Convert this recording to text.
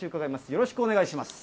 よろしくお願いします。